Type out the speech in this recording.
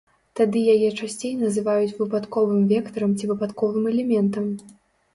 Тады яе часцей называюць выпадковым вектарам ці выпадковым элементам.